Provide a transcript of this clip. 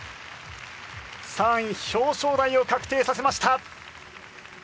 ３位表彰台を確定させました。